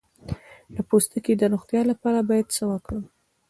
د پوستکي د روغتیا لپاره باید څه وکړم؟